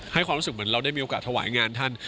ความรู้สึกเหมือนเราได้มีโอกาสถวายงานท่าน